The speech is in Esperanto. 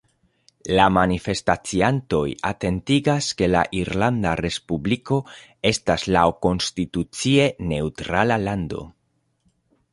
La manifestaciantoj atentigas, ke la Irlanda Respubliko estas laŭkonstitucie neŭtrala lando.